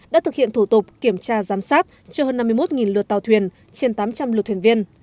đã thực hiện thủ tục kiểm tra giám sát cho hơn năm mươi một lượt tàu thuyền trên tám trăm linh lượt thuyền viên